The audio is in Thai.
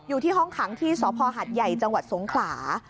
อยู่ที่ห้องขังที่สพหัดใหญ่จังหวัดสงขลา